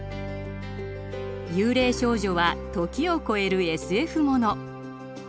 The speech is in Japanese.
「幽霊少女」は時を超えるＳＦもの。